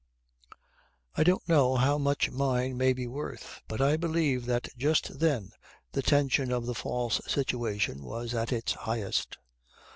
I don't know how much mine may be worth; but I believe that just then the tension of the false situation was at its highest.